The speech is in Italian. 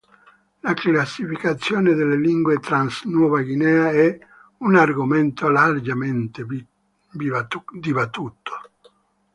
La classificazione delle lingue trans–Nuova Guinea è un argomento largamente dibattuto.